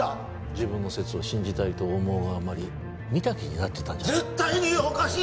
自分の説を信じたいと思うあまり見た気になってたんじゃ絶対におかしい